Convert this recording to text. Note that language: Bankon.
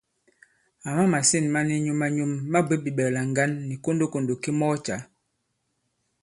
Àma màsîn ma ni nyum-a-nyum ma bwě bìɓɛ̀klà ŋgǎn nì kondokòndò ki mɔɔ cǎ.